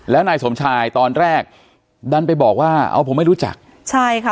แล้วนายสมชายตอนแรกดันไปบอกว่าเอาผมไม่รู้จักใช่ค่ะ